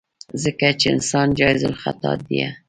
ځکه چې انسان جايزالخطا ديه.